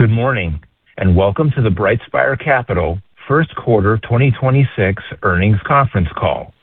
Good morning, and welcome to the BrightSpire Capital Q1 2026 Earnings Conference Call.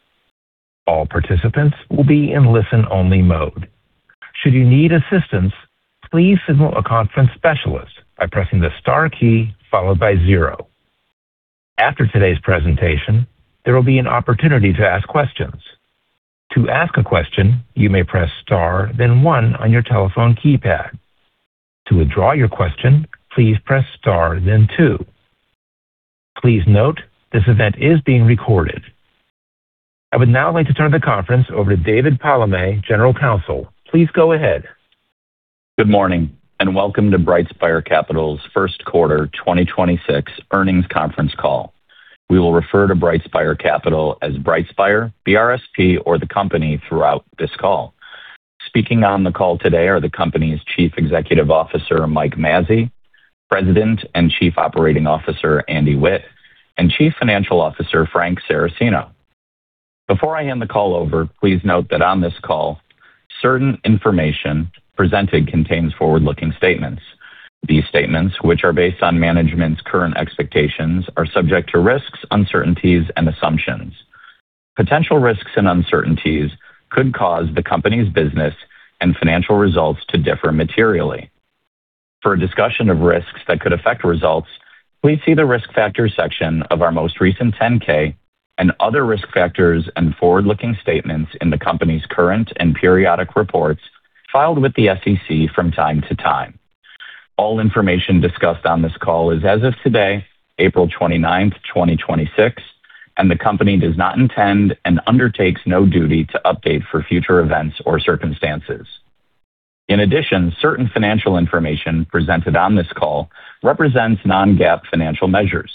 I would now like to turn the conference over to David A. Palamé, General Counsel. Please go ahead. Good morning, and welcome to BrightSpire Capital's Q1 2026 earnings conference call. We will refer to BrightSpire Capital as BrightSpire, BRSP, or the company throughout this call. Speaking on the call today are the company's Chief Executive Officer, Michael J. Mazzei, President and Chief Operating Officer, Andrew E. Witt, and Chief Financial Officer, Frank V. Saracino. Before I hand the call over, please note that on this call, certain information presented contains forward-looking statements. These statements, which are based on management's current expectations, are subject to risks, uncertainties, and assumptions. Potential risks and uncertainties could cause the company's business and financial results to differ materially. For a discussion of risks that could affect results, please see the Risk Factors section of our most recent 10-K and other risk factors and forward-looking statements in the company's current and periodic reports filed with the SEC from time to time. All information discussed on this call is as of today, April 29th, 2026, and the company does not intend and undertakes no duty to update for future events or circumstances. In addition, certain financial information presented on this call represents non-GAAP financial measures.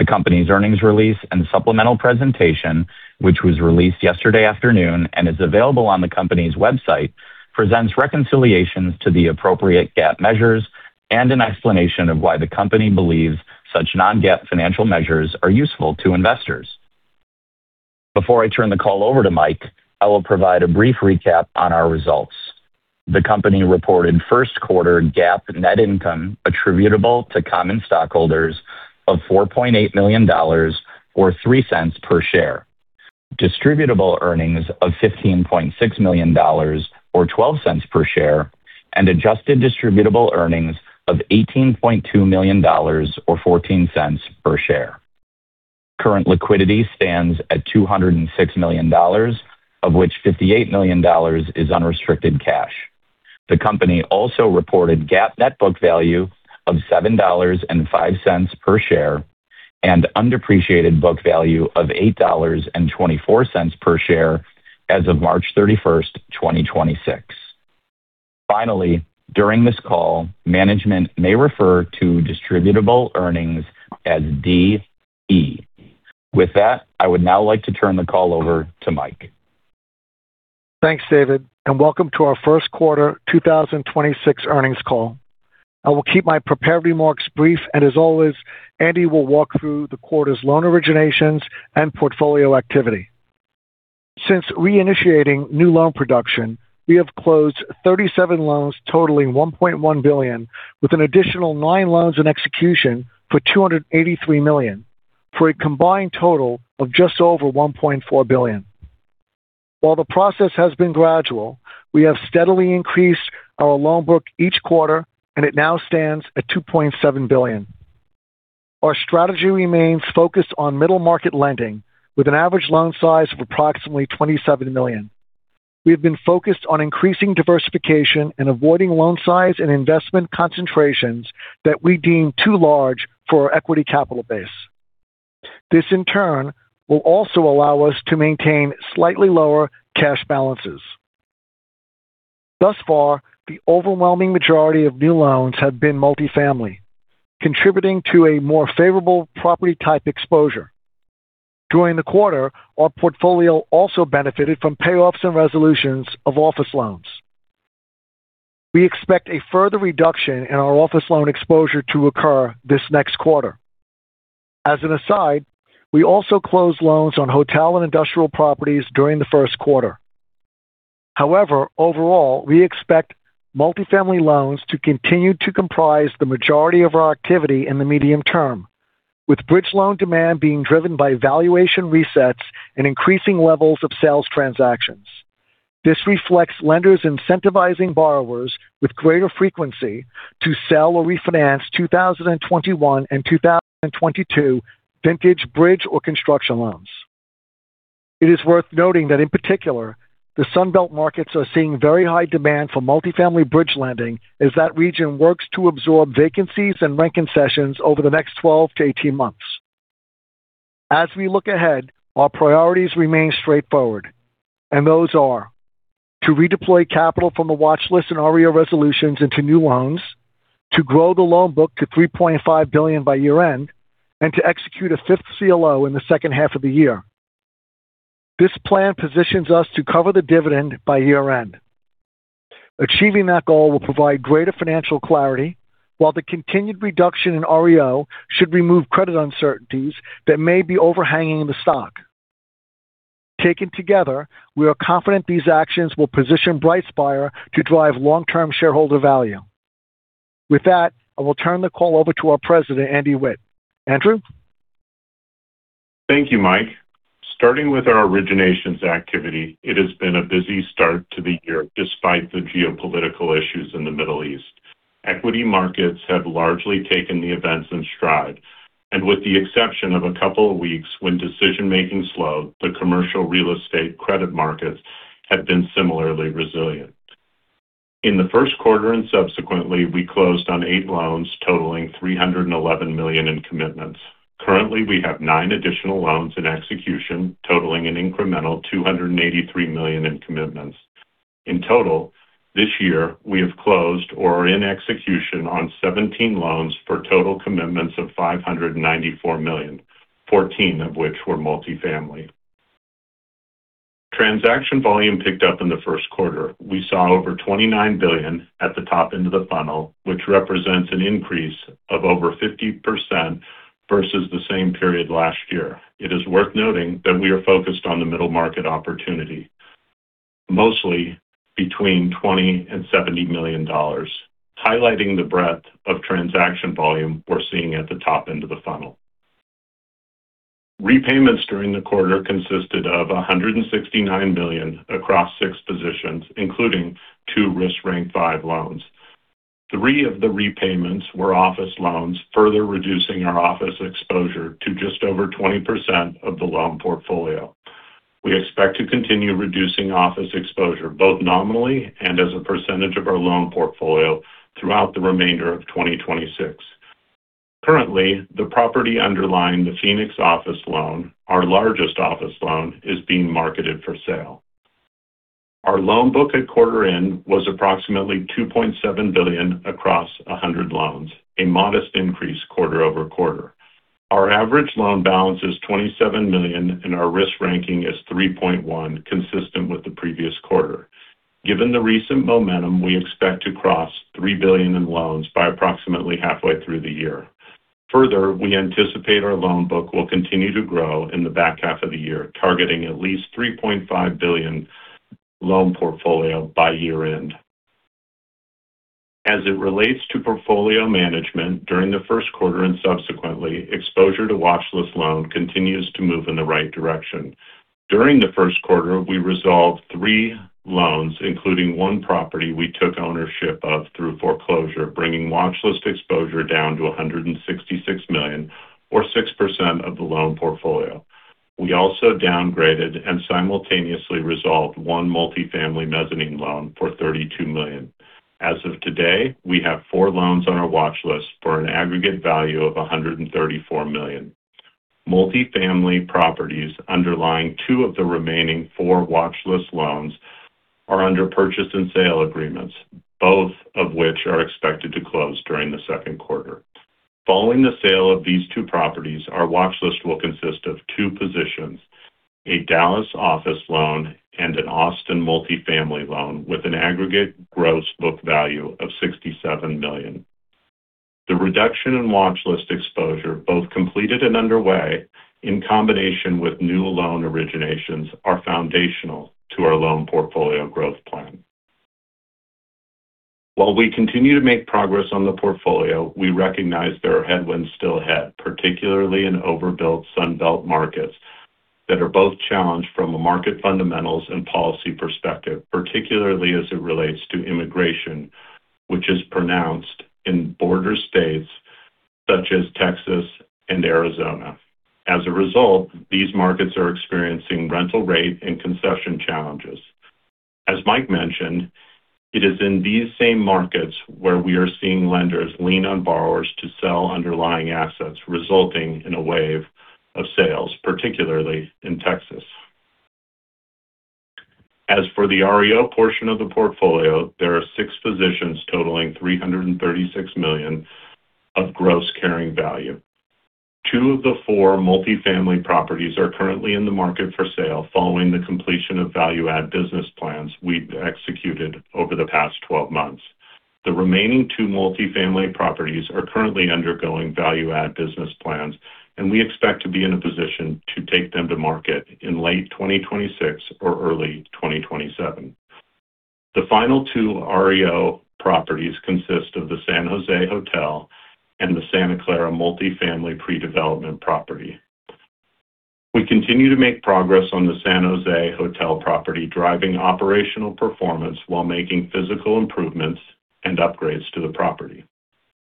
The company's earnings release and supplemental presentation, which was released yesterday afternoon and is available on the company's website, presents reconciliations to the appropriate GAAP measures and an explanation of why the company believes such non-GAAP financial measures are useful to investors. Before I turn the call over to Michael, I will provide a brief recap on our results. The company reported Q1 GAAP net income attributable to common stockholders of $4.8 million or $0.03 per share, Distributable Earnings of $15.6 million or $0.12 per share, and Adjusted Distributable Earnings of $18.2 million or $0.14 per share. Current liquidity stands at $206 million, of which $58 million is unrestricted cash. The company also reported GAAP net book value of $7.05 per share and undepreciated book value of $8.24 per share as of March 31, 2026. Finally, during this call, management may refer to Distributable Earnings as DE. With that, I would now like to turn the call over to Michael. Thanks, David. Welcome to our Q1 2026 earnings call. I will keep my prepared remarks brief. As always, Andrew will walk through the quarter's loan originations and portfolio activity. Since reinitiating new loan production, we have closed 37 loans totaling $1.1 billion, with an additional 9 loans in execution for $283 million, for a combined total of just over $1.4 billion. While the process has been gradual, we have steadily increased our loan book each quarter. It now stands at $2.7 billion. Our strategy remains focused on middle-market lending with an average loan size of approximately $27 million. We have been focused on increasing diversification and avoiding loan size and investment concentrations that we deem too large for our equity capital base. This, in turn, will also allow us to maintain slightly lower cash balances. Thus far, the overwhelming majority of new loans have been multifamily, contributing to a more favorable property type exposure. During the quarter, our portfolio also benefited from payoffs and resolutions of office loans. We expect a further reduction in our office loan exposure to occur this next quarter. As an aside, we also closed loans on hotel and industrial properties during the Q1. However, overall, we expect multifamily loans to continue to comprise the majority of our activity in the medium term, with bridge loan demand being driven by valuation resets and increasing levels of sales transactions. This reflects lenders incentivizing borrowers with greater frequency to sell or refinance 2021 and 2022 vintage bridge or construction loans. It is worth noting that in particular, the Sunbelt markets are seeing very high demand for multifamily bridge lending as that region works to absorb vacancies and rent concessions over the next 12 to 18 months. As we look ahead, our priorities remain straightforward. Those are to redeploy capital from the watchlist and REO resolutions into new loans, to grow the loan book to $3.5 billion by year-end, and to execute a fifth CLO in the second half of the year. This plan positions us to cover the dividend by year-end. Achieving that goal will provide greater financial clarity, while the continued reduction in REO should remove credit uncertainties that may be overhanging the stock. Taken together, we are confident these actions will position BrightSpire to drive long-term shareholder value. With that, I will turn the call over to our President, Andrew E. Witt. Andrew? Thank you, Michael J. Mazzei. Starting with our originations activity, it has been a busy start to the year despite the geopolitical issues in the Middle East. Equity markets have largely taken the events in stride, and with the exception of a couple of weeks when decision-making slowed, the commercial real estate credit markets have been similarly resilient. In the Q1 and subsequently, we closed on 8 loans totaling $311 million in commitments. Currently, we have 9 additional loans in execution totaling an incremental $283 million in commitments. In total, this year we have closed or are in execution on 17 loans for total commitments of $594 million, 14 of which were multifamily. Transaction volume picked up in the Q1. We saw over $29 billion at the top end of the funnel, which represents an increase of over 50% versus the same period last year. It is worth noting that we are focused on the middle market opportunity, mostly between $20 million and $70 million, highlighting the breadth of transaction volume we're seeing at the top end of the funnel. Repayments during the quarter consisted of $169 million across six positions, including two risk rank 5 loans. Three of the repayments were office loans, further reducing our office exposure to just over 20% of the loan portfolio. We expect to continue reducing office exposure, both nominally and as a percentage of our loan portfolio, throughout the remainder of 2026. Currently, the property underlying the Phoenix office loan, our largest office loan, is being marketed for sale. Our loan book at quarter end was approximately $2.7 billion across 100 loans, a modest increase quarter-over-quarter. Our average loan balance is $27 million, and our risk ranking is 3.1, consistent with the previous quarter. Given the recent momentum, we expect to cross $3 billion in loans by approximately halfway through the year. We anticipate our loan book will continue to grow in the back half of the year, targeting at least $3.5 billion loan portfolio by year-end. As it relates to portfolio management, during the Q1 and subsequently, exposure to watchlist loan continues to move in the right direction. During the Q1, we resolved 3 loans, including 1 property we took ownership of through foreclosure, bringing watchlist exposure down to $166 million, or 6% of the loan portfolio. We also downgraded and simultaneously resolved 1 multifamily mezzanine loan for $32 million. As of today, we have 4 loans on our watchlist for an aggregate value of $134 million. Multifamily properties underlying 2 of the remaining 4 watchlist loans are under purchase and sale agreements, both of which are expected to close during the Q2. Following the sale of these 2 properties, our watchlist will consist of 2 positions: a Dallas office loan and an Austin multifamily loan with an aggregate gross book value of $67 million. The reduction in watchlist exposure, both completed and underway, in combination with new loan originations, are foundational to our loan portfolio growth plan. While we continue to make progress on the portfolio, we recognize there are headwinds still ahead, particularly in overbuilt Sun Belt markets that are both challenged from a market fundamentals and policy perspective, particularly as it relates to immigration, which is pronounced in border states such as Texas and Arizona. As a result, these markets are experiencing rental rate and concession challenges. As Michael J. Mazzei mentioned, it is in these same markets where we are seeing lenders lean on borrowers to sell underlying assets, resulting in a wave of sales, particularly in Texas. As for the REO portion of the portfolio, there are six positions totaling $336 million of gross carrying value. Two of the four multifamily properties are currently in the market for sale following the completion of value add business plans we've executed over the past 12 months. The remaining two multifamily properties are currently undergoing value add business plans, and we expect to be in a position to take them to market in late 2026 or early 2027. The final two REO properties consist of the San Jose Hotel and the Santa Clara multifamily pre-development property. We continue to make progress on the San Jose Hotel property, driving operational performance while making physical improvements and upgrades to the property.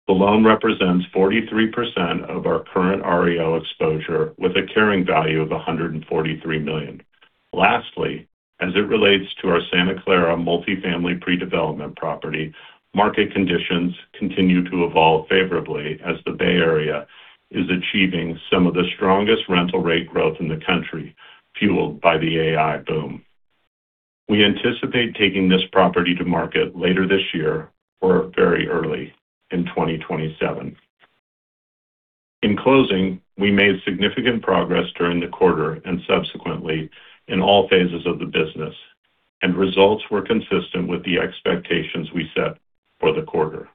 The loan represents 43% of our current REO exposure with a carrying value of $143 million. Lastly, as it relates to our Santa Clara multifamily pre-development property, market conditions continue to evolve favorably as the Bay Area is achieving some of the strongest rental rate growth in the country, fueled by the AI boom. We anticipate taking this property to market later this year or very early in 2027. In closing, we made significant progress during the quarter and subsequently in all phases of the business, and results were consistent with the expectations we set for the quarter.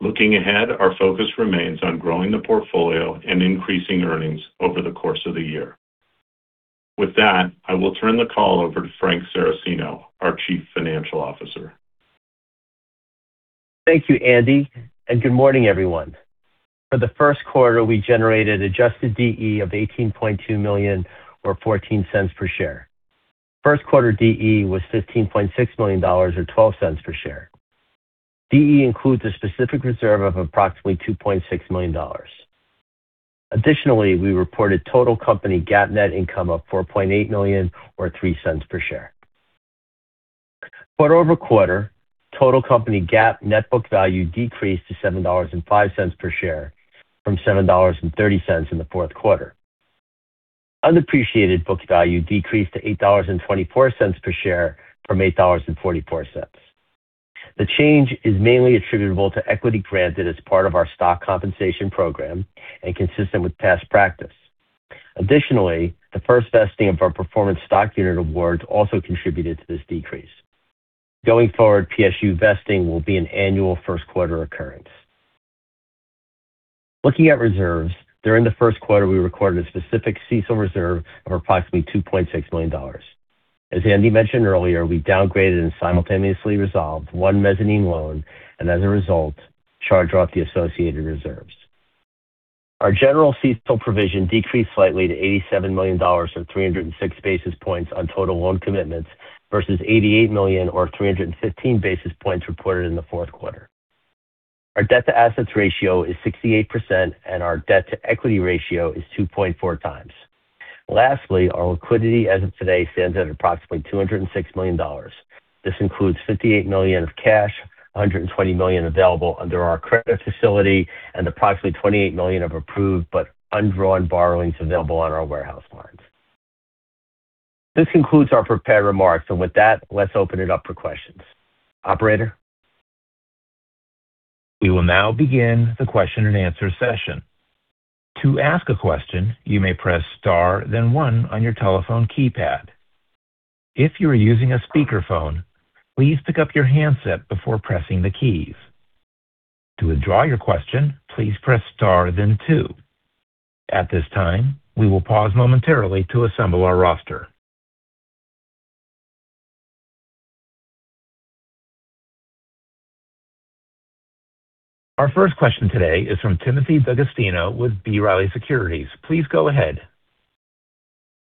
Looking ahead, our focus remains on growing the portfolio and increasing earnings over the course of the year. With that, I will turn the call over to Frank V. Saracino, our Chief Financial Officer. Thank you, Andrew, and good morning, everyone. For the, we generated Adjusted DE of $18.2 million or $0.14 per share. Q1 DE was $15.6 million or $0.12 per share. DE includes a specific reserve of approximately $2.6 million. We reported total company GAAP net income of $4.8 million or $0.03 per share. Quarter-over-quarter, total company GAAP net book value decreased to $7.05 per share from $7.30 in the Q4. Undepreciated book value decreased to $8.24 per share from $8.44. The change is mainly attributable to equity granted as part of our stock compensation program and consistent with past practice. The first vesting of our performance stock unit awards also contributed to this decrease. Going forward, PSU vesting will be an annual Q1 occurrence. Looking at reserves, during the Q1, we recorded a specific CECL reserve of approximately $2.6 million. As Andrew mentioned earlier, we downgraded and simultaneously resolved 1 mezzanine loan and as a result, charged off the associated reserves. Our general CECL provision decreased slightly to $87 million or 306 basis points on total loan commitments versus $88 million or 315 basis points reported in the Q4. Our debt-to-assets ratio is 68%, and our debt-to-equity ratio is 2.4x. Lastly, our liquidity as of today stands at approximately $206 million. This includes $58 million of cash, $120 million available under our credit facility, and approximately $28 million of approved but undrawn borrowings available on our warehouse lines. This concludes our prepared remarks. With that, let's open it up for questions. Operator? Our first question today is from Timothy D'Agostino with B. Riley Securities. Please go ahead.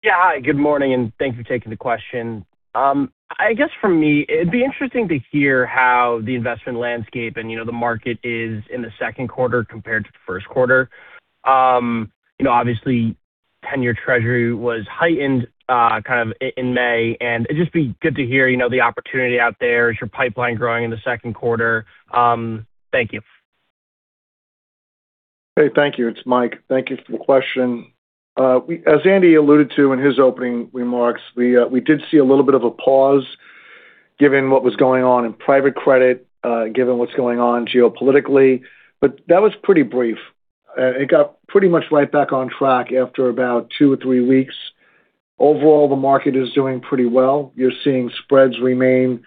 Yeah. Hi, good morning, and thanks for taking the question. I guess for me, it'd be interesting to hear how the investment landscape and, you know, the market is in the Q2 compared to the Q1. You know, obviously 10-year Treasury was heightened, kind of in May, and it'd just be good to hear, you know, the opportunity out there. Is your pipeline growing in the Q2? Thank you. Hey, thank you. It's Michael J. Mazzei. Thank you for the question. As Andrew Witt alluded to in his opening remarks, we did see a little bit of a pause given what was going on in private credit, given what's going on geopolitically, but that was pretty brief. It got pretty much right back on track after about 2 or 3 weeks. Overall, the market is doing pretty well. You're seeing spreads remain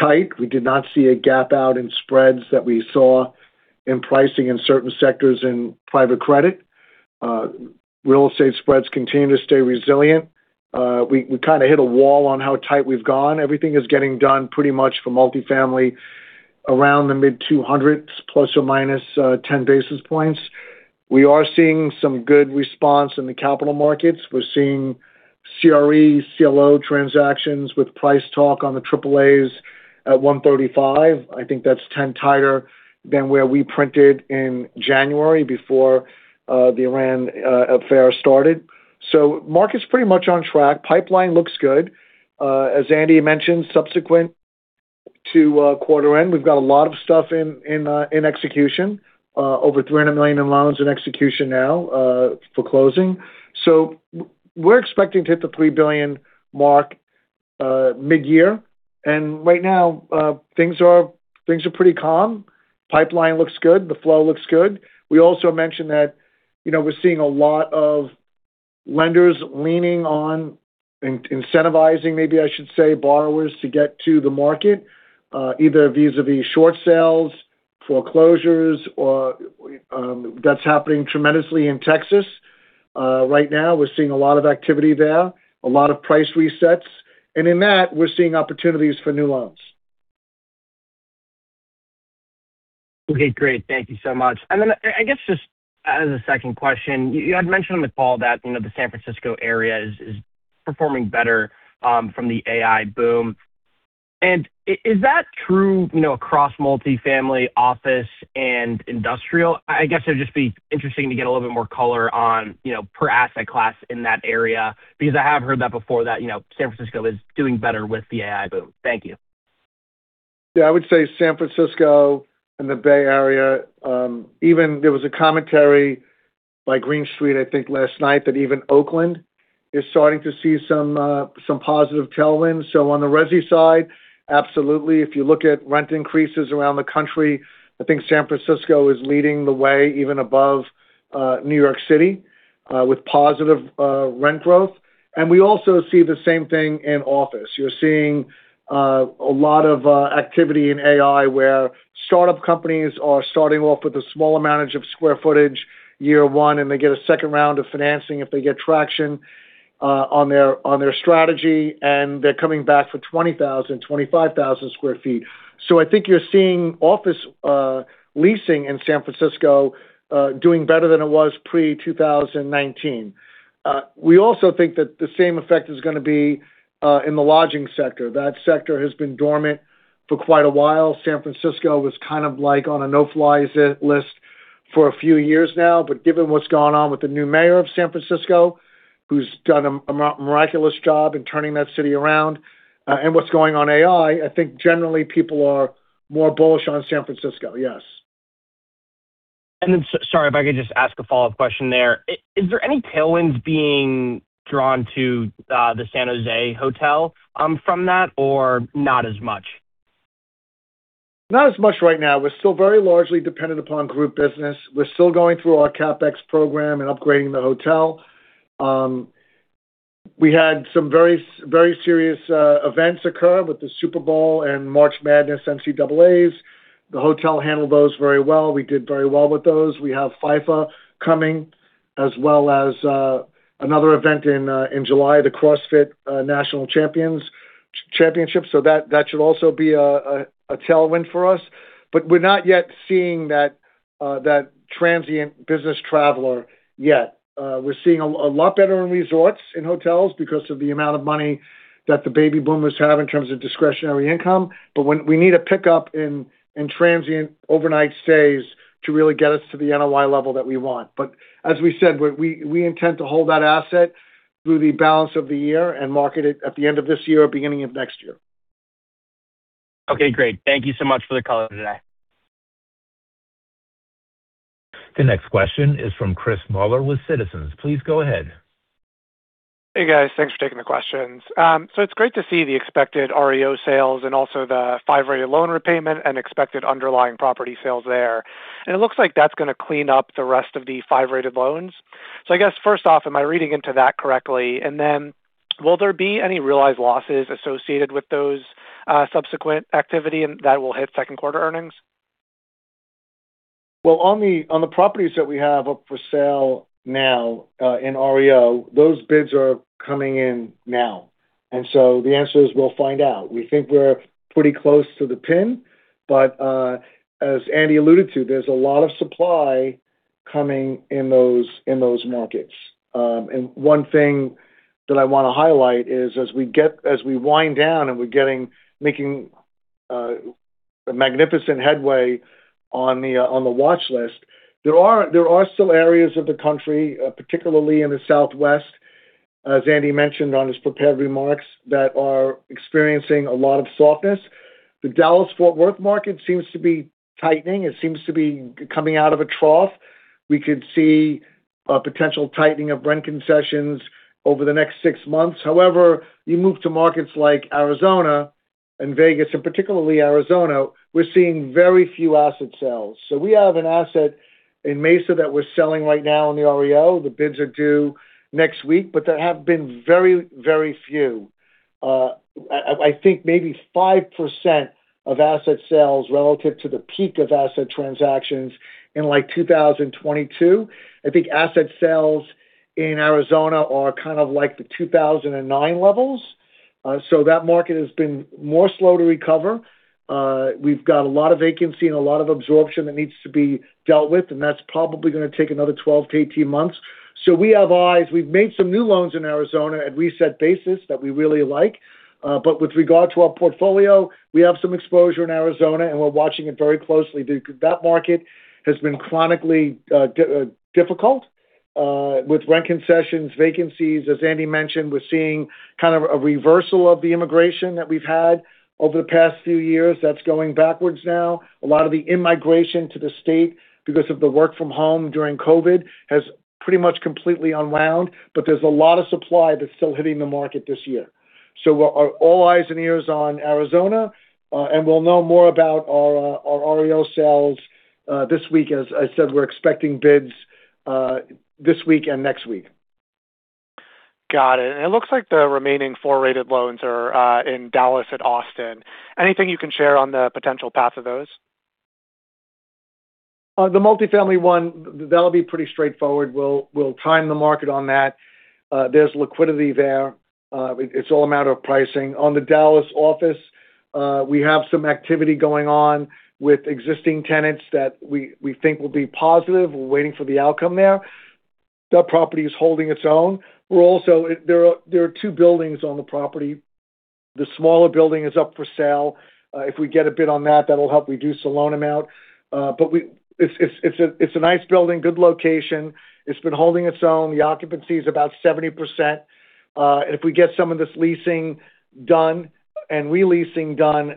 tight. We did not see a gap out in spreads that we saw in pricing in certain sectors in private credit. Real estate spreads continue to stay resilient. We kinda hit a wall on how tight we've gone. Everything is getting done pretty much for multifamily around the mid 200s, plus or minus, 10 basis points. We are seeing some good response in the capital markets. We're seeing CRE, CLO transactions with price talk on the AAAs at 135. I think that's 10 tighter than where we printed in January before the Iran affair started. Market's pretty much on track. Pipeline looks good. As Andrew mentioned, subsequent to quarter end, we've got a lot of stuff in execution, over $300 million in loans in execution now for closing. We're expecting to hit the $3 billion mark mid-year. Right now, things are pretty calm. Pipeline looks good. The flow looks good. We also mentioned that, you know, we're seeing a lot of lenders leaning on incentivizing, maybe I should say, borrowers to get to the market, either vis-à-vis short sales, foreclosures or that's happening tremendously in Texas. Right now, we're seeing a lot of activity there, a lot of price resets. In that, we're seeing opportunities for new loans. Okay, great. Thank you so much. I guess just as a second question, you had mentioned on the call that, you know, the San Francisco area is performing better from the AI boom. Is that true, you know, across multifamily, office, and industrial? I guess it'd just be interesting to get a little bit more color on, you know, per asset class in that area, because I have heard that before that, you know, San Francisco is doing better with the AI boom. Thank you. I would say San Francisco and the Bay Area, even there was a commentary by Green Street, I think last night, that even Oakland is starting to see some positive tailwinds. On the Resi side, absolutely. If you look at rent increases around the country, I think San Francisco is leading the way even above New York City with positive rent growth. We also see the same thing in office. You're seeing a lot of activity in AI where startup companies are starting off with a small amount of square footage year 1, and they get a second round of financing if they get traction on their strategy, and they're coming back for 20,000, 25,000 square feet. I think you're seeing office leasing in San Francisco doing better than it was pre-2019. We also think that the same effect is gonna be in the lodging sector. That sector has been dormant for quite a while. San Francisco was kind of like on a no-fly list for a few years now. Given what's gone on with the new mayor of San Francisco, who's done a miraculous job in turning that city around, and what's going on AI, I think generally people are more bullish on San Francisco, yes. Then sorry, if I could just ask a follow-up question there. Is there any tailwinds being drawn to the San Jose hotel from that, or not as much? Not as much right now. We're still very largely dependent upon group business. We're still going through our CapEx program and upgrading the hotel. We had some very, very serious events occur with the Super Bowl and March Madness NCAAs. The hotel handled those very well. We did very well with those. We have FIFA coming, as well as another event in July, the CrossFit National Championship, that should also be a tailwind for us. We're not yet seeing that transient business traveler yet. We're seeing a lot better in resorts, in hotels because of the amount of money that the baby boomers have in terms of discretionary income. We need a pickup in transient overnight stays to really get us to the NOI level that we want. As we said, we intend to hold that asset through the balance of the year and market it at the end of this year or beginning of next year. Okay, great. Thank you so much for the color today. The next question is from Chris Muller with Citizens. Please go ahead. Hey, guys. Thanks for taking the questions. It's great to see the expected REO sales and also the five-rated loan repayment and expected underlying property sales there. It looks like that's gonna clean up the rest of the five-rated loans. I guess first off, am I reading into that correctly? Then will there be any realized losses associated with those subsequent activity and that will hit Q2 earnings? On the, on the properties that we have up for sale now, in REO, those bids are coming in now. The answer is we'll find out. We think we're pretty close to the pin, as Andrew alluded to, there's a lot of supply coming in those, in those markets. One thing that I wanna highlight is as we wind down and we're making a magnificent headway on the watch list, there are still areas of the country, particularly in the Southwest, as Andrew mentioned on his prepared remarks, that are experiencing a lot of softness. The Dallas-Fort Worth market seems to be tightening. It seems to be coming out of a trough. We could see a potential tightening of rent concessions over the next six months. You move to markets like Arizona and Vegas, and particularly Arizona, we're seeing very few asset sales. We have an asset in Mesa that we're selling right now in the REO. The bids are due next week, but there have been very, very few, I think maybe 5% of asset sales relative to the peak of asset transactions in, like, 2022. I think asset sales in Arizona are kind of like the 2009 levels. That market has been more slow to recover. We've got a lot of vacancy and a lot of absorption that needs to be dealt with, and that's probably going to take another 12 to 18 months. We have eyes. We've made some new loans in Arizona at reset basis that we really like. With regard to our portfolio, we have some exposure in Arizona, and we're watching it very closely. That market has been chronically difficult, with rent concessions, vacancies. As Andrew mentioned, we're seeing kind of a reversal of the immigration that we've had over the past few years. That's going backwards now. A lot of the in-migration to the state because of the work from home during COVID has pretty much completely unwound. There's a lot of supply that's still hitting the market this year. Our all eyes and ears on Arizona, and we'll know more about our REO sales this week. As I said, we're expecting bids this week and next week. Got it. It looks like the remaining four rated loans are in Dallas and Austin. Anything you can share on the potential path of those? The multifamily one, that'll be pretty straightforward. We'll time the market on that. There's liquidity there. It's all a matter of pricing. On the Dallas office, we have some activity going on with existing tenants that we think will be positive. We're waiting for the outcome there. That property is holding its own. There are two buildings on the property. The smaller building is up for sale. If we get a bid on that'll help reduce the loan amount. It's a nice building, good location. It's been holding its own. The occupancy is about 70%. If we get some of this leasing done and re-leasing done,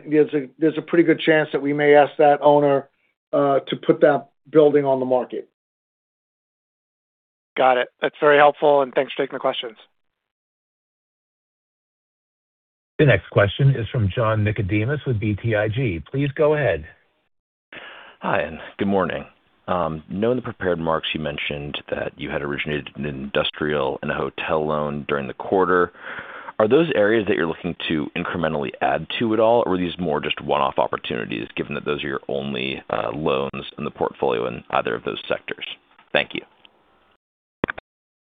there's a pretty good chance that we may ask that owner to put that building on the market. Got it. That's very helpful. Thanks for taking the questions. The next question is from John Kim with BTIG. Please go ahead. Hi, and good morning. Knowing the prepared marks, you mentioned that you had originated an industrial and a hotel loan during the quarter. Are those areas that you're looking to incrementally add to at all, or are these more just one-off opportunities given that those are your only loans in the portfolio in either of those sectors? Thank you.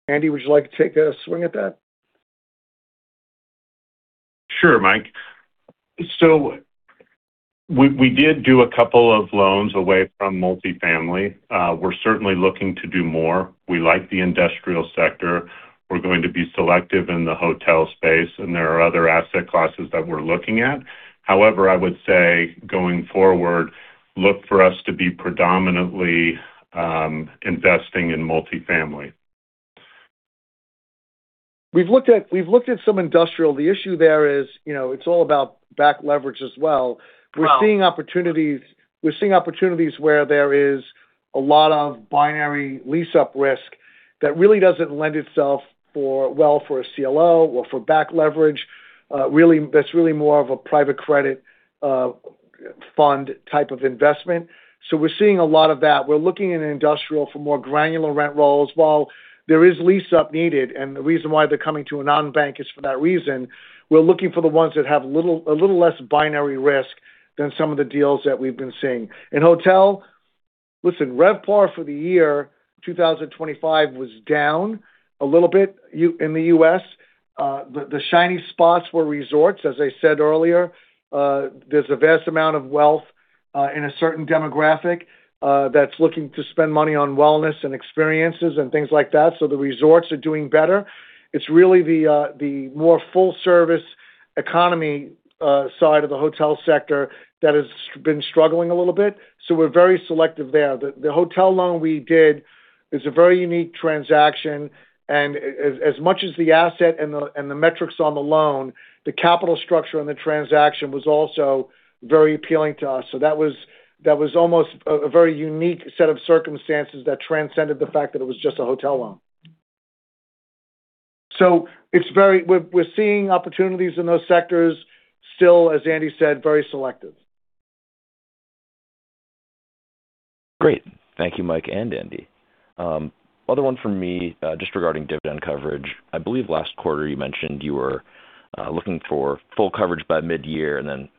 Andrew E. Witt, would you like to take a swing at that? Sure, Michael. We did do a couple of loans away from multifamily. We're certainly looking to do more. We like the industrial sector. We're going to be selective in the hotel space, and there are other asset classes that we're looking at. However, I would say, going forward, look for us to be predominantly investing in multifamily. We've looked at some industrial. The issue there is, you know, it's all about back leverage as well. We're seeing opportunities where there is a lot of binary lease-up risk that really doesn't lend itself for a CLO or for back leverage. That's really more of a private credit fund type of investment. We're seeing a lot of that. We're looking in industrial for more granular rent rolls. While there is lease-up needed, and the reason why they're coming to a non-bank is for that reason, we're looking for the ones that have a little less binary risk than some of the deals that we've been seeing. In hotel, listen, RevPAR for the year 2025 was down a little bit in the U.S. The shiny spots were resorts. As I said earlier, there's a vast amount of wealth in a certain demographic that's looking to spend money on wellness and experiences and things like that. The resorts are doing better. It's really the more full-service economy side of the hotel sector that has been struggling a little bit. We're very selective there. The hotel loan we did is a very unique transaction. As much as the asset and the metrics on the loan, the capital structure on the transaction was also very appealing to us. That was, that was almost a very unique set of circumstances that transcended the fact that it was just a hotel loan. We're seeing opportunities in those sectors. Still, as Andrew said, very selective. Great. Thank you, Michael and Andrew. Other one from me, just regarding dividend coverage. I believe last quarter you mentioned you were looking for full coverage by mid-year and then,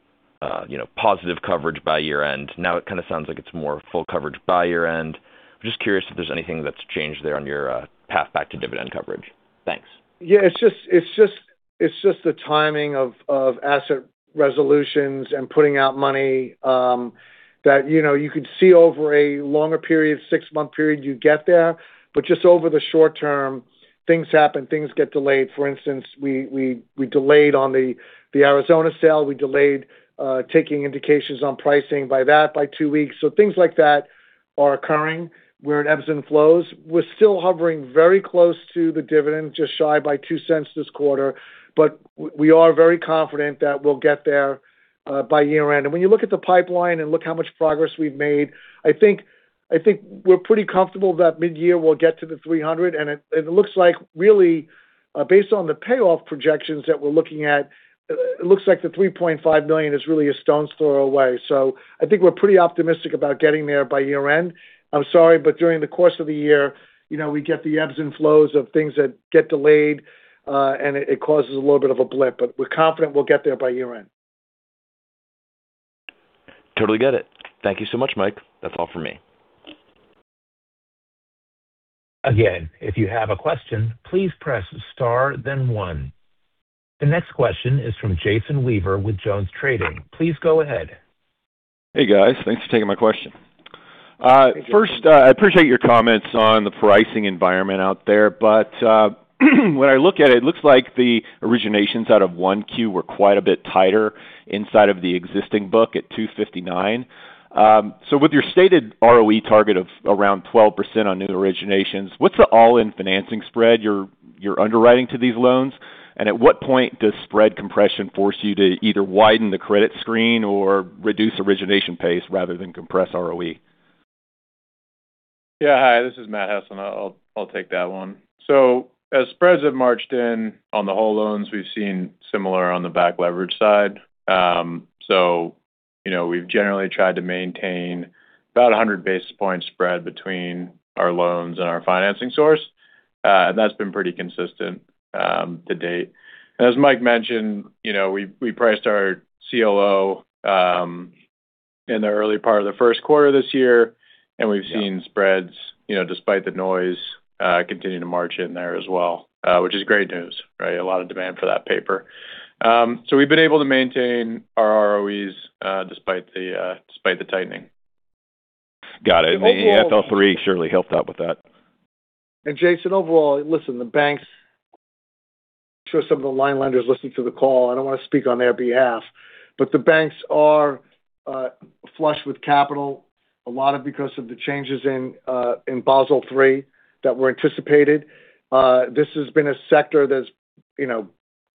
you know, positive coverage by year-end. It kind of sounds like it's more full coverage by year-end. I'm just curious if there's anything that's changed there on your path back to dividend coverage. Thanks. Yeah, it's just the timing of asset resolutions and putting out money, that, you know, you could see over a longer period, six-month period, you'd get there. Just over the short term, things happen, things get delayed. For instance, we delayed on the Arizona sale. We delayed taking indications on pricing by two weeks. Things like that are occurring. We're in ebbs and flows. We're still hovering very close to the dividend, just shy by $0.02 this quarter. We are very confident that we'll get there by year-end. When you look at the pipeline and look how much progress we've made, I think we're pretty comfortable that mid-year we'll get to the $300. It, it looks like really, based on the payoff projections that we're looking at, it looks like the $3.5 million is really a stone's throw away. I think we're pretty optimistic about getting there by year-end. I'm sorry, during the course of the year, you know, we get the ebbs and flows of things that get delayed, and it causes a little bit of a blip. We're confident we'll get there by year-end. Totally get it. Thank you so much, Michael. That's all for me. Again, if you have a question, please press star then one. The next question is from Jason Weaver with Jones Trading. Please go ahead. Hey, guys. Thanks for taking my question. Hey, Jason. First, I appreciate your comments on the pricing environment out there. When I look at it looks like the originations out of 1Q were quite a bit tighter inside of the existing book at 259. With your stated ROE target of around 12% on new originations, what's the all-in financing spread you're underwriting to these loans? At what point does spread compression force you to either widen the credit screen or reduce origination pace rather than compress ROE? Hi, this is Matthew Heslin. I'll take that one. As spreads have marched in on the whole loans, we've seen similar on the back leverage side. You know, we've generally tried to maintain about 100 basis points spread between our loans and our financing source. That's been pretty consistent to date. As Michael mentioned, you know, we priced our CLO in the early part of the Q1 this year. Yeah. We've seen spreads, you know, despite the noise, continue to march in there as well, which is great news, right? A lot of demand for that paper. We've been able to maintain our ROEs despite the tightening. Got it. And overall, The FL three surely helped out with that. Jason, overall, listen, the banks. I'm sure some of the line lenders listen to the call. I don't want to speak on their behalf, but the banks are flush with capital, a lot of because of the changes in Basel III that were anticipated. This has been a sector that's, you know,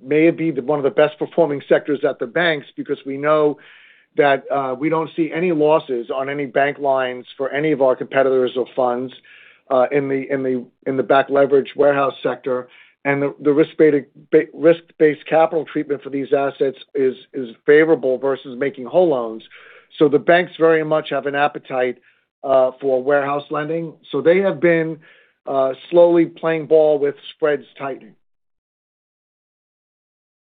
may be the one of the best performing sectors at the banks because we know that we don't see any losses on any bank lines for any of our competitors or funds in the backed leverage warehouse sector. The risk-based capital treatment for these assets is favorable versus making whole loans. The banks very much have an appetite for warehouse lending, so they have been slowly playing ball with spreads tightening.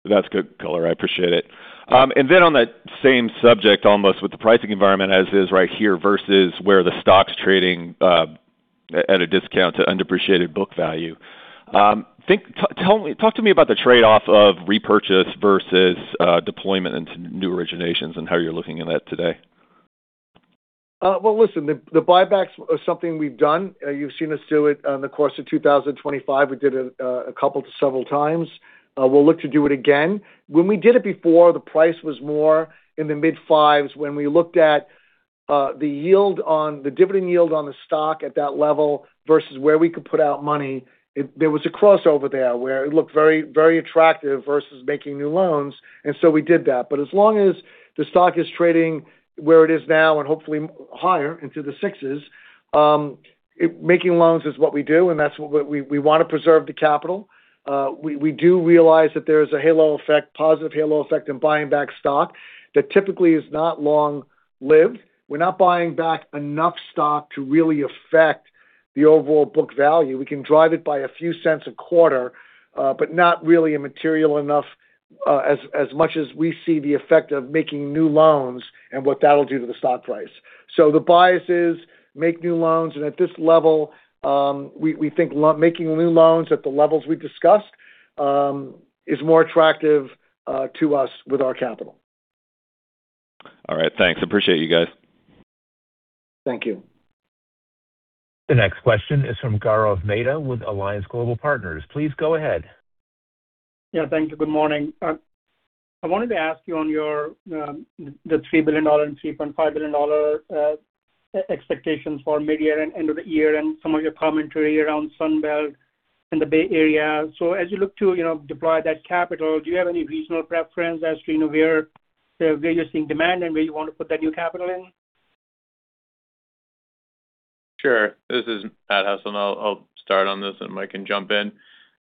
That's good color. I appreciate it. On that same subject, almost, with the pricing environment as is right here versus where the stock's trading at a discount to undepreciated book value. Talk to me about the trade-off of repurchase versus deployment into new originations and how you're looking at that today. Well, listen, the buybacks are something we've done. You've seen us do it on the course of 2025. We did it, a couple to several times. We'll look to do it again. When we did it before, the price was more in the mid-fives. When we looked at the dividend yield on the stock at that level versus where we could put out money, there was a crossover there where it looked very, very attractive versus making new loans. We did that. As long as the stock is trading where it is now and hopefully higher into the sixes, making loans is what we do, and that's what we wanna preserve the capital. We do realize that there's a halo effect, positive halo effect, in buying back stock that typically is not long-lived. We're not buying back enough stock to really affect the overall book value. We can drive it by a few cents a quarter, but not really a material enough, as much as we see the effect of making new loans and what that'll do to the stock price. The bias is make new loans. At this level, we think making new loans at the levels we discussed is more attractive to us with our capital. All right. Thanks. I appreciate you guys. Thank you. The next question is from Gaurav Mehta with Alliance Global Partners. Please go ahead. Yeah. Thank you. Good morning. I wanted to ask you on your the $3 billion and $3.5 billion expectations for mid-year and end of the year and some of your commentary around Sun Belt and the Bay Area. As you look to, you know, deploy that capital, do you have any regional preference as to, you know, where you're seeing demand and where you wanna put that new capital in? Sure. This is Pat Hess, and I'll start on this, and Michael can jump in.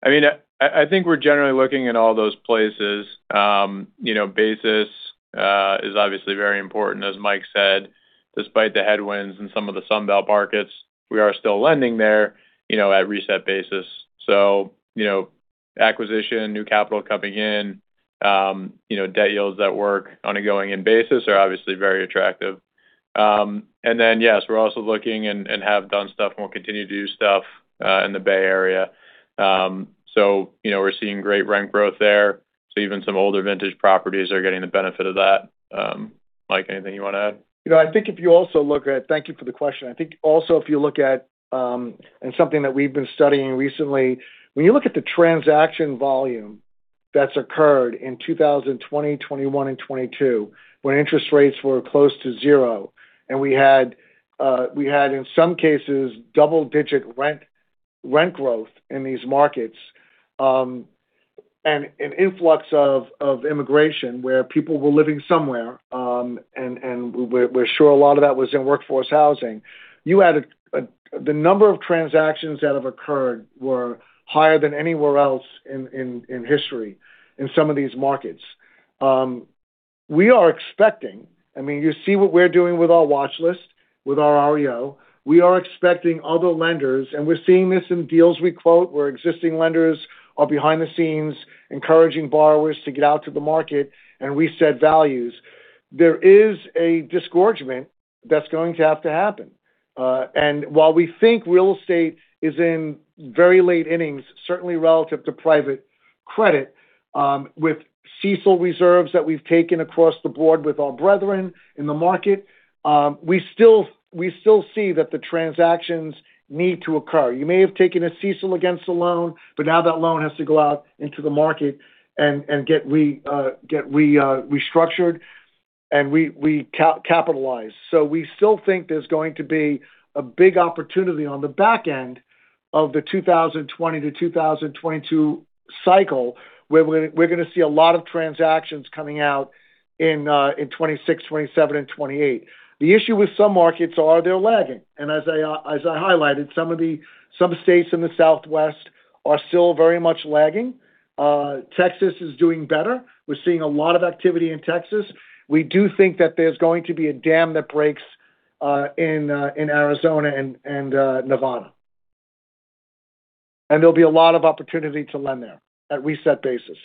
I mean, I think we're generally looking at all those places. You know, basis is obviously very important, as Michael said. Despite the headwinds in some of the Sun Belt markets, we are still lending there, you know, at reset basis. You know, acquisition, new capital coming in, you know, debt yields that work on a going-in basis are obviously very attractive. Yes, we're also looking and have done stuff and we'll continue to do stuff in the Bay Area. You know, we're seeing great rent growth there, so even some older vintage properties are getting the benefit of that. Michael, anything you wanna add? You know, I think if you also look at. Thank you for the question. I think also if you look at something that we've been studying recently, when you look at the transaction volume that's occurred in 2020, 2021, and 2022, when interest rates were close to zero and we had, in some cases, double-digit rent growth in these markets, and an influx of immigration where people were living somewhere, and we're sure a lot of that was in workforce housing. The number of transactions that have occurred were higher than anywhere else in history in some of these markets. I mean, you see what we're doing with our watchlist, with our REO. We are expecting other lenders, and we're seeing this in deals we quote, where existing lenders are behind the scenes encouraging borrowers to get out to the market and reset values. There is a disgorgement that's going to have to happen. While we think real estate is in very late innings, certainly relative to private credit, with CECL reserves that we've taken across the board with our brethren in the market, we still see that the transactions need to occur. You may have taken a CECL against the loan, now that loan has to go out into the market and get restructured and recapitalized. We still think there's going to be a big opportunity on the back end of the 2020 to 2022 cycle, where we're going to see a lot of transactions coming out in 2026, 2027 and 2028. The issue with some markets are they're lagging. As I highlighted, some states in the Southwest are still very much lagging. Texas is doing better. We're seeing a lot of activity in Texas. We do think that there's going to be a dam that breaks in Arizona and Nevada. There will be a lot of opportunity to lend there at reset basis.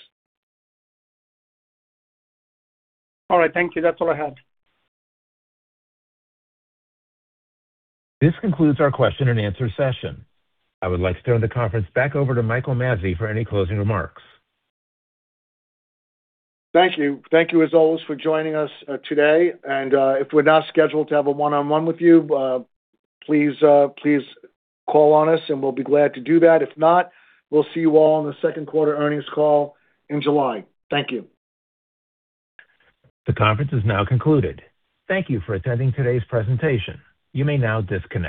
All right. Thank you. That's all I had. This concludes our question and answer session. I would like to turn the conference back over to Michael J. Mazzei for any closing remarks. Thank you. Thank you as always for joining us today. If we're not scheduled to have a one-on-one with you, please call on us and we'll be glad to do that. If not, we'll see you all on the Q2 earnings call in July. Thank you. The conference is now concluded. Thank you for attending today's presentation. You may now disconnect.